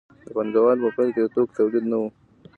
د پانګوالۍ په پیل کې د توکو تولید نه و.